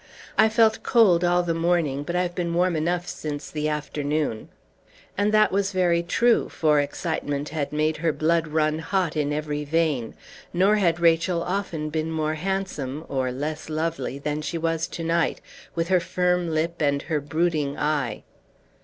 "I felt cold all the morning, but I have been warm enough since the afternoon." And that was very true, for excitement had made her blood run hot in every vein; nor had Rachel often been more handsome, or less lovely, than she was to night, with her firm lip and her brooding eye.